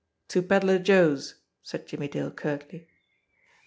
"To Pedler Joe's," said Jimmie Dale curtly.